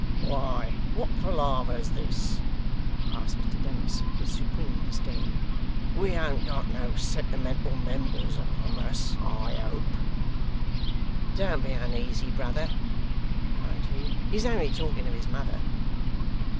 'Why, what palaver's this?' asked Mr Dennis with supreme disdain. 'We an't got no sentimental members among us, I hope.' 'Don't be uneasy, brother,' cried Hugh, 'he's only talking of his mother.